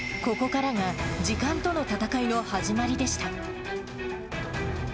ここからが時間との闘いの始まりでした。